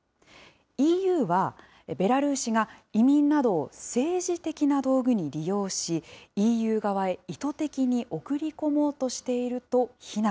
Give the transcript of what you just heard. ＥＵは、ベラルーシが移民などを政治的な道具に利用し、ＥＵ側へ意図的に送り込もうとしていると非難。